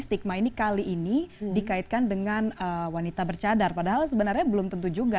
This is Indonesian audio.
stigma ini kali ini dikaitkan dengan wanita bercadar padahal sebenarnya belum tentu juga